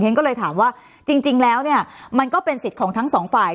ฉันก็เลยถามว่าจริงแล้วเนี่ยมันก็เป็นสิทธิ์ของทั้งสองฝ่าย